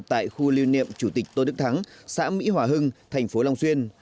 tại khu lưu niệm chủ tịch tôn đức thắng xã mỹ hòa hưng thành phố long xuyên